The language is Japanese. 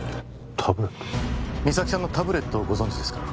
実咲さんのタブレットをご存じですか？